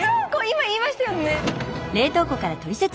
今言いましたよね？